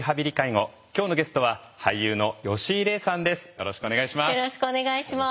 よろしくお願いします。